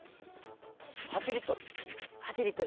８リットル。